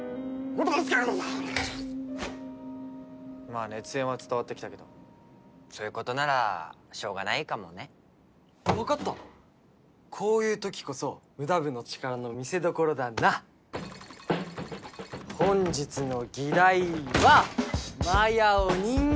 まあ熱演は伝わってきたけどそういうことならしょうがないかもねわかったこういうときこそムダ部の力の見せどころだな本日の議題は「マヤを人間にする」だ！